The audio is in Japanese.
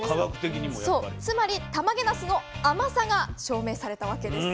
つまりたまげなすの甘さが証明されたわけです。